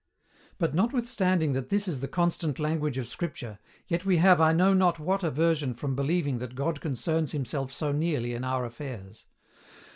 But, notwithstanding that this is the constant language of Scripture, yet we have I know not what aversion from believing that God concerns Himself so nearly in our affairs.